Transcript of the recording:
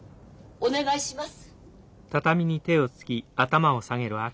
お願いします。